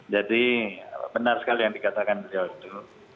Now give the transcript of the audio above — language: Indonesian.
jadi benar sekali yang dikatakan beliau itu